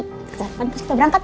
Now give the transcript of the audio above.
ke harapan terus kita berangkat ya